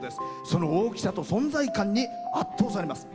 その大きさと存在感に圧倒されます。